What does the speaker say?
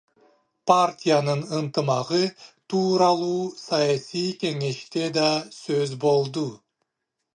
Партиянын ынтымагы тууралуу саясий кеңеште да сөз болду.